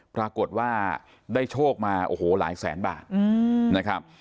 ปรากฏว่าได้โชคมาโอ้โหหลายแสนบาทนะครับ